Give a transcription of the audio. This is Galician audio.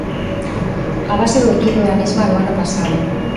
A base do equipo é a mesma do ano pasado.